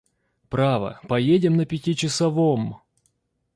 Право, поедем на пятичасовом!